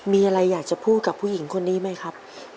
มีอะไรอยากจะพูดกับผู้หญิงคนนี้ไหมครับ